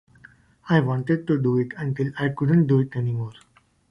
I wanted to do it until I couldn't do it anymore.